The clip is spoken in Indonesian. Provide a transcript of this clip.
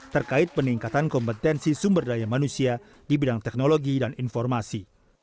terkait peningkatan kompetensi sumber daya manusia di bidang teknologi dan informasi